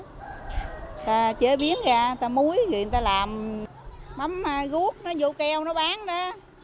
người ta chế biến ra người ta muối người ta làm mắm gút nó vô keo nó bán đó